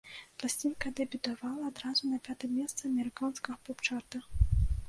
Пласцінка дэбютавала адразу на пятым месцы амерыканскага поп-чарта.